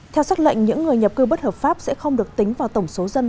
theo xác lệnh những người nhập cư bất hợp pháp sẽ không được tính vào tổng số dân